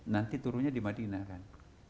nanti turunnya di madinah kan